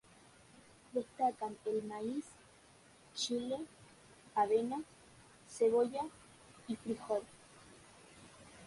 Destacan el maíz, chile, avena, cebolla y frijol.